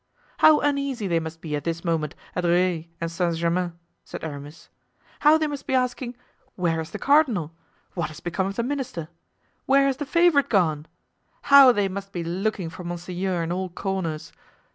"How uneasy they must be at this moment at Rueil and Saint Germain," said Aramis. "How they must be asking, 'Where is the cardinal?' 'What has become of the minister?' 'Where has the favorite gone?' How they must be looking for monseigneur in all corners!